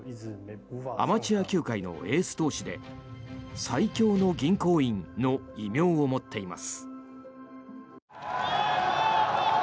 アマチュア球界のエース投手で最強の銀行員の異名を持っています。